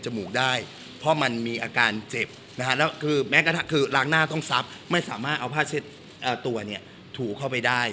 ได้เพราะมันมีอาการเจ็บนะฮะแล้วคือแม้กระทั่งคือล้างหน้าต้องซับไม่สามารถเอาผ้าเช็ดตัวเนี่ยถูเข้าไปได้